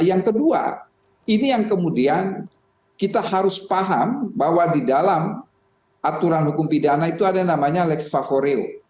yang kedua ini yang kemudian kita harus paham bahwa di dalam aturan hukum pidana itu ada yang namanya lex favoreo